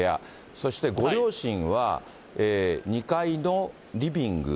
そしてご両親は２階のリビング。